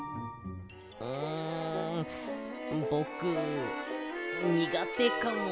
うんぼくにがてかも。